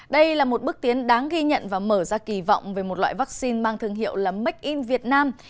đây là một bước tiến đáng ghi nhận và mở ra kỳ vọng về một loại vaccine mang thương hiệu là make in việt nam